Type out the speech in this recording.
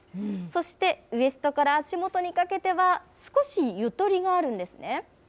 そしてウエストから足元にかけては、少しゆとりがあるんですね。